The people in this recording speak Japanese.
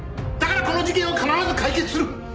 だからこの事件を必ず解決する。